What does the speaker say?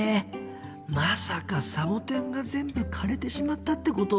まさかサボテンが全部枯れてしまったってこと？